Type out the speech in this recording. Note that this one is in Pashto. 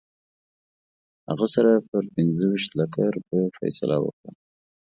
هغه سره پر پنځه ویشت لکه روپیو فیصله وکړه.